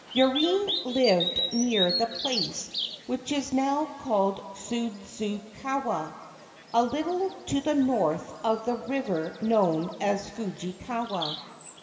Yurine lived near the place which is now called Sudzukawa, a little to the north of the river known as Fujikawa.